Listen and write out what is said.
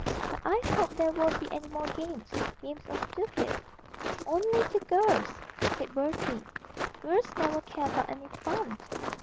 But I hope there won't be any more games games are stupid.' 'Only to girls,' said Bertie; 'girls never care about any fun.'